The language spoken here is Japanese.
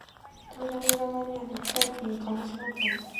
扉の裏側には、ネクタイピン、カフスボタン、